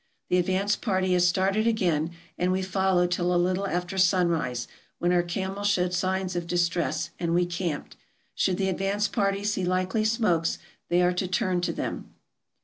The advance party has started again, and we followed till a little after sunrise, when our camels showed signs of dis tress, and we camped. Should the advance party see likely smokes, they are to turn to them.